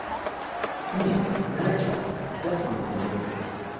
— Ні, не рече. Я сам відаю.